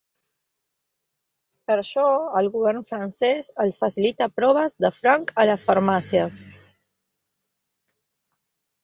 Per això, el govern francès els facilita proves de franc a les farmàcies.